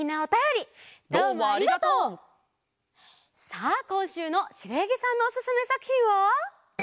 さあこんしゅうのしろやぎさんのおすすめさくひんは。